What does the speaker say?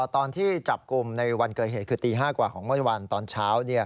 ตอนที่จับกลุ่มในวันเกิดเหตุคือตี๕กว่าของเมื่อวันตอนเช้า